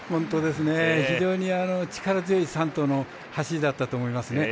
非常に力強い３頭の走りだったと思いますね。